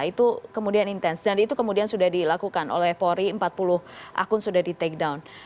itu kemudian intens dan itu kemudian sudah dilakukan oleh polri empat puluh akun sudah di take down